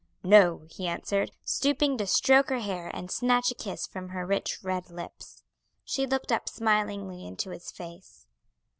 "No," he answered, stooping to stroke her hair, and snatch a kiss from her rich red lips. She looked up smilingly into his face.